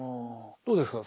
どうですか？